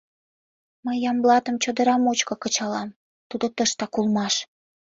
— Мый Ямблатым чодыра мучко кычалам, тудо тыштак улмаш.